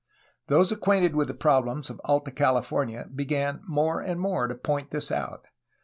Those acquainted with the problems of Alta California began more and more to point this out.